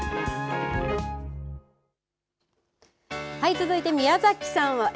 続いて宮崎さんは、え？